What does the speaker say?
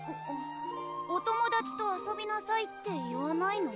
お友達と遊びなさいって言わないの？